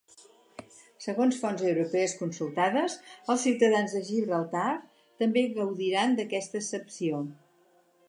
Segons fonts europees consultades, els ciutadans de Gibraltar també gaudiran d’aquesta exempció.